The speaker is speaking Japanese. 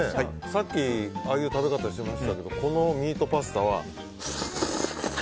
さっきああいう食べ方してましたけどこのミートパスタは。